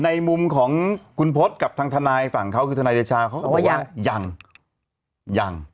ในมุมของคุณพศกับทางทนายฝั่งเขาคือทนายเดชาเขาก็บอกว่ายังยัง